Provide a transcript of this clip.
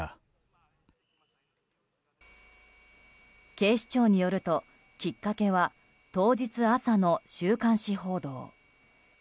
警視庁によるときっかけは当日朝の週刊誌報道。